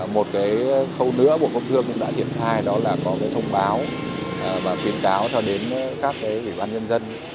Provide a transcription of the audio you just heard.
một cái khâu nữa bộ quốc thương cũng đã thiệt thai đó là có cái thông báo và khuyến cáo cho đến các cái ủy ban nhân dân